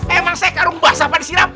emang saya karung basah pada sirap